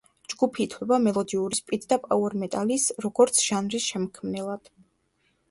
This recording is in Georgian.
ჯგუფი ითვლება მელოდიური სპიდ და პაუერ მეტალის, როგორც ჟანრის შემქმნელად.